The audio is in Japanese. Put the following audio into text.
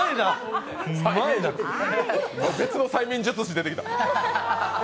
別の催眠術師出てきた。